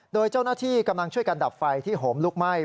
โดยเจ้าหน้าที่กำลังช่วยกันดับไฟที่โหมลุกไหม้